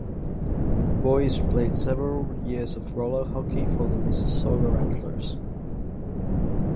Boyes played several years of roller hockey for the Mississauga Rattlers.